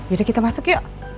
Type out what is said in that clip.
yaudah kita masuk yuk